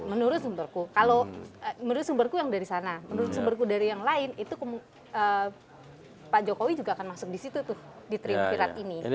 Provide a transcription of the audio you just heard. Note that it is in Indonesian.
menurutku kalau menurut sumberku yang dari sana menurut sumberku dari yang lain itu pak jokowi juga akan masuk di situ tuh di trim viral ini